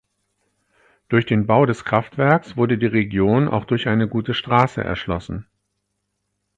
Durch den Bau des Kraftwerks wurde die Region auch durch eine gute Straße erschlossen.